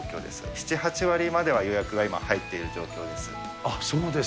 ７、８割までは予約が今、入っている状況です。